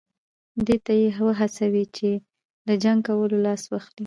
دې ته یې وهڅوي چې له جنګ کولو لاس واخلي.